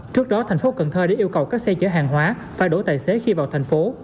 trước đó thành phố cần thơ đã yêu cầu các xe chở hàng hóa phải đổ tài xế khi vào thành phố